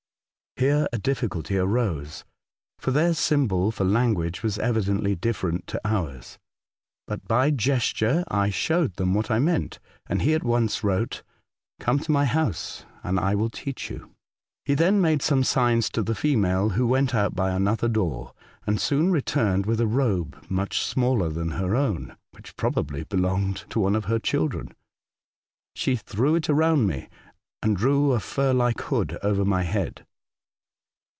Here a difficulty arose, for their symbol for language was evi dently different to ours. But by gesture I showed them what I meant, and he at once wrote :" Come to my house and I will teach you." He then made some signs to the female, who went out by another door, and soon returned with a robe much smaller than her own (which probably belonged to one of her children). She threw it around me, and drew a fur like hood over my head.